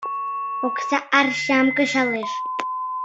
Окса арчам кычалеш.